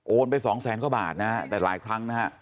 โอนไป๒แสนกว่าบาทนะแต่หลายครั้งนะฮะ